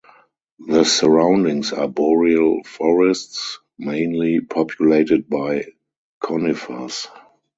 The surroundings are boreal forests mainly populated by conifers.